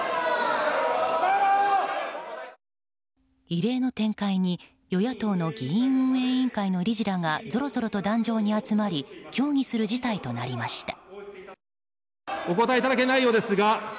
異例の展開に与野党の議院運営委員会の理事らがぞろぞろと壇上に集まり協議する事態となりました。